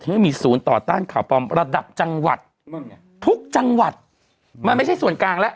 ไม่มีศูนย์ต่อต้านข่าวปลอมระดับจังหวัดนั่นไงทุกจังหวัดมันไม่ใช่ส่วนกลางแล้ว